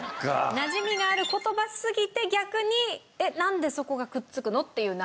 なじみがある言葉すぎて逆になんでそこがくっつくの？っていう謎。